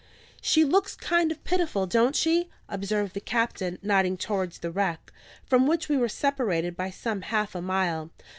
"She looks kind of pitiful, don't she?" observed the captain, nodding towards the wreck, from which we were separated by some half a mile.